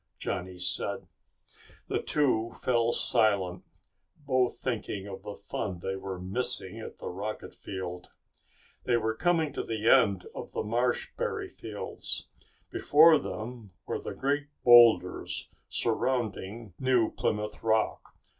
Johnny said The two fell silent, both thinking of the fun they were missing at the rocket field. They were coming to the end of the marshberry fields. Before them were the great boulders surrounding New Plymouth Rock.